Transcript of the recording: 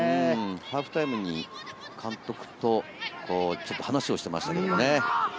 ハーフタイムに監督とちょっと話をしてましたけどね。